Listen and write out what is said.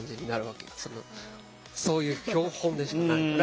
そういう標本でしかないから。